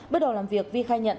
bước đầu làm việc vi khai nhận